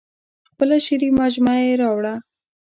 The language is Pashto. خپله شعري مجموعه یې راوړه.